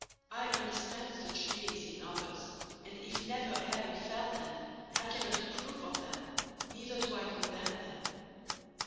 I understand such feelings in others, and if never having felt them I cannot approve of them, neither do I condemn them.